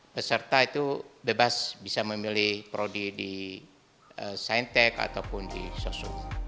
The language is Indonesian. peserta itu bebas bisa memilih prodi di scientech ataupun di soso